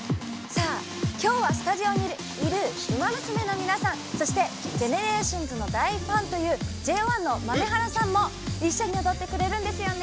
きょうは、スタジオにいるウマ娘の皆さん、そしてＧＥＮＥＲＡＴＩＯＮＳの大ファンというＪＯ１の豆原さんも一緒に踊ってくれるんですよね。